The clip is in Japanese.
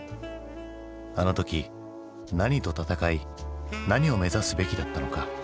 あの時何と闘い何を目指すべきだったのか？